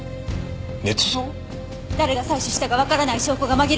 誰が採取したかわからない証拠が紛れてた！